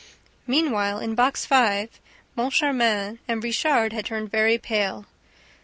Meanwhile, in Box Five, Moncharmin and Richard had turned very pale.